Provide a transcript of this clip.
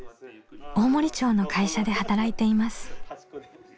大森町の会社で働いています。